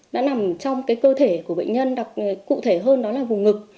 đã nằm trong cái cơ thể của bệnh nhân đặc cụ thể hơn đó là vùng ngực